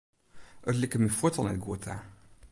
It like my fuort al net goed ta.